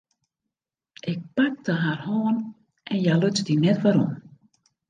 Ik pakte har hân en hja luts dy net werom.